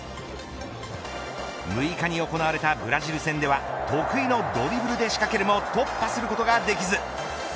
６日に行われたブラジル戦では得意のドリブルで仕掛けるも突破することができず。